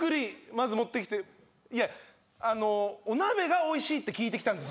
まず持ってきていやお鍋がおいしいって聞いて来たんです